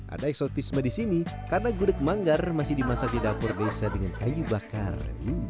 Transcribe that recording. ada eksotisme di sini karena gudeg manggar masih dimasak di dapur desa dengan kayu bakar